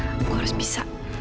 aku harus bisa